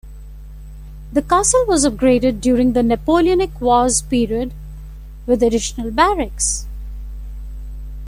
The Castle was upgraded during the Napoleonic Wars period, with additional barracks.